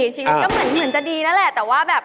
ชีวิตก็เหมือนจะดีนั่นแหละแต่ว่าแบบ